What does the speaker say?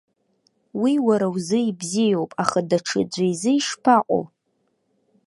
Уи уара узы ибзиоуп, аха даҽаӡә изы ишԥаҟоу?